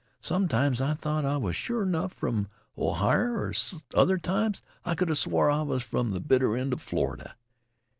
Sometimes I thought I was sure 'nough from Ohier, an' other times I could 'a swore I was from th' bitter end of Florida.